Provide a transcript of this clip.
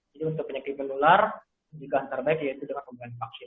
jadi untuk penyakit menular pencegahan terbaik yaitu dengan pemberian vaksin